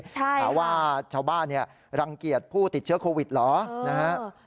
ใช่ค่ะว่าชาวบ้านรังเกียจผู้ติดเชื้อโควิดเหรอ